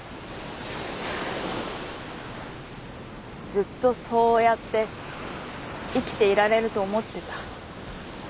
ずっとそうやって生きていられると思ってた。